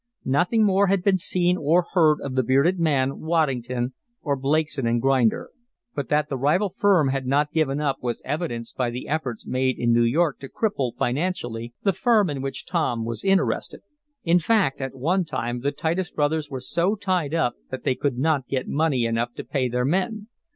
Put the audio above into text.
Nothing more had been seen or heard of the bearded man, Waddington, or Blakeson & Grinder. But that the rival firm had not given up was evidenced by the efforts made in New York to cripple, financially, the firm in which Tom was interested. In fact, at one time the Titus brothers were so tied up that they could not get money enough to pay their men.